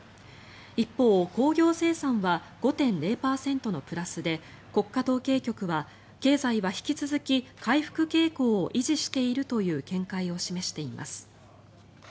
一方、工業生産は５．０％のプラスで国家統計局は経済は引き続き回復傾向を維持しているという見解を示しています。